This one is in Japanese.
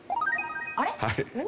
あれ？